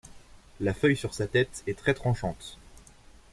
La feuille sur sa tête est très tranchante.